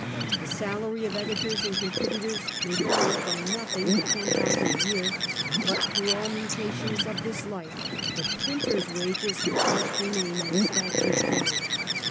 The salary of editors and contributors may vary from nothing to ten thou sand a year; but through all mutations of this life, the printer's wages must remain in staUi quo.